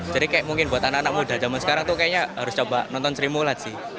jadi kayak mungkin buat anak anak muda zaman sekarang tuh kayaknya harus coba nonton sri mulat sih